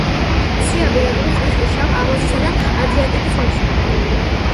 სვია ბინადრობს კასპიის, შავ, აზოვისა და ადრიატიკის ზღვებში.